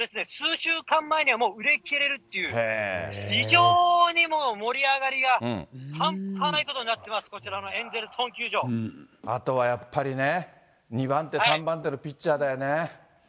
当日のチケットを数週間前にはもう売れ切れるっていう、非常にもう盛り上がりが半端ないことになってます、あとはやっぱりね、２番手、３番手のピッチャーだよね。